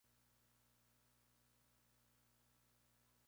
El actual portavoz es el judío Yuli-Yoel Edelstein.